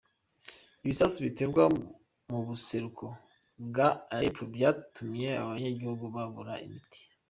Ibisasu bitegwa mu buseruko bwa Aleppo vyatumye abanyagihugu babura imiti.